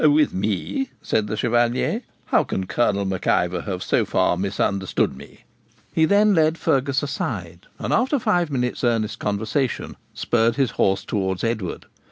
'With me?' said the Chevalier; 'how can Colonel Mac Ivor have so far misunderstood me?' He then led Fergus aside, and, after five minutes' earnest conversation, spurred his horse towards Edward.